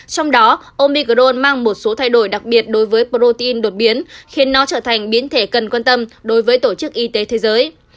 trong đó omi gron mang một số thay đổi đặc biệt đối với protein đột biến khiến nó trở thành biến thể cần quan tâm đối với tổ chức y tế thế giới